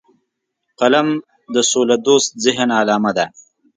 قلم د سولهدوست ذهن علامه ده